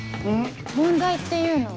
問題っていうのは。